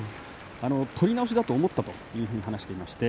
取り直しだと思ったというふうに話していました。